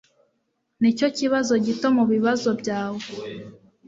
Nicyo kibazo gito mubibazo byawe.